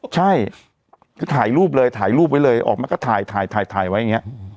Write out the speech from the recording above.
ใช่คือถ่ายรูปเลยถ่ายรูปไว้เลยออกมาก็ถ่ายถ่ายไว้อย่างนี้